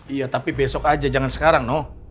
iya tapi besok aja jangan sekarang noh